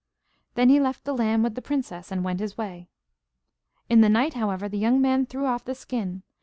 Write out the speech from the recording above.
Then he left the lamb with the princess, and went his way. In the night, however, the young man threw off the skin.